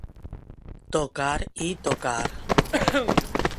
Tocar i tocar.